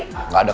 gak ada kerjaan